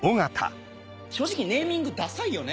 正直ネーミングダサいよね？